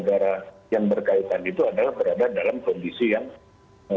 negara yang berkaitan itu adalah berada dalam kondisi yang